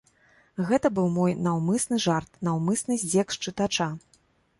Гэта быў мой наўмысны жарт, наўмысны здзек з чытача.